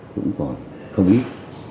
cũng còn không ít